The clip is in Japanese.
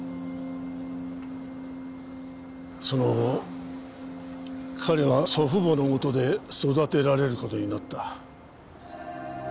その後彼は祖父母のもとで育てられる事になった。